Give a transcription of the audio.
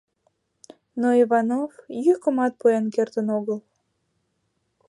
Но Иванов йӱкымат пуэн кертын огыл.